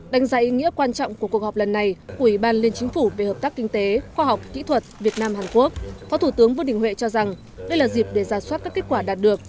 đánh giá ý nghĩa quan trọng của cuộc họp lần này của ủy ban liên chính phủ về hợp tác kinh tế khoa học kỹ thuật việt nam hàn quốc phó thủ tướng vương đình huệ cho rằng đây là dịp để giả soát các kết quả đạt được